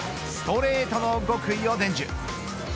ストレートの極意を伝授。